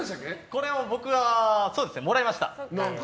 これは僕はもらいました。